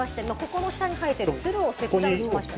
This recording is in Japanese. この下に生えているつるを切断しました。